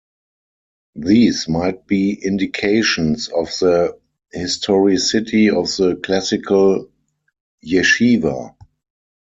These might be indications of the historicity of the classical yeshiva.